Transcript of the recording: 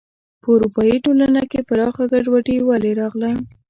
په اروپايي ټولنې کې پراخه ګډوډي ولې راغله.